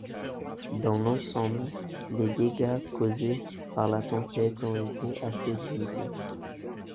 Dans l'ensemble, les dégâts causés par la tempête ont été assez limités.